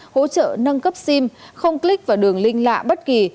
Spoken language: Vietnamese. hỗ trợ nâng cấp sim không click vào đường link lạ bất kỳ